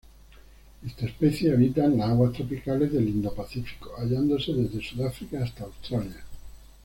Esta especie habita en las aguas tropicales del Indo-Pacífico, hallándose desde Sudáfrica hasta Australia.